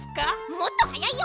もっとはやいよ。